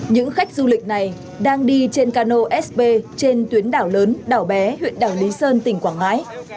những khách du lịch này đang đi trên cano sb trên tuyến đảo lớn đảo bé huyện đảo lý sơn tỉnh quảng ngãi